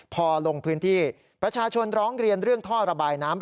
พอลงพื้นที่ประชาชนร้องเรียนเรื่องท่อระบายน้ำ